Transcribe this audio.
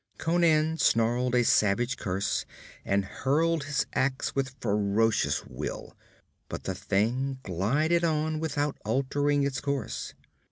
Conan snarled a savage curse and hurled his ax with ferocious will. But the thing glided on without altering its course.